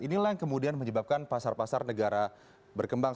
inilah yang kemudian menyebabkan pasar pasar negara berkembang